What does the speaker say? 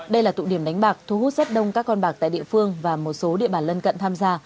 đây là tụ điểm đánh bạc thu hút rất đông các con bạc tại địa phương và một số địa bàn lân cận tham gia